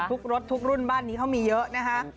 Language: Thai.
รถทุกรุ่นบ้านนี้เขามีเยอะนะคะ